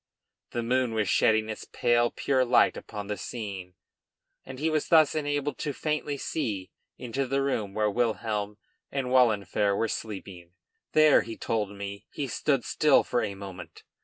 The moon was shedding its pale pure light upon the scene, and he was thus enabled to faintly see into the room where Wilhelm and Wahlenfer were sleeping. There, he told me, he stood still for a moment.